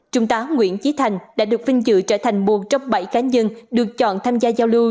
trung tá nguyễn trí thành đã được vinh dự trở thành một trong bảy cá nhân được chọn tham gia giao lưu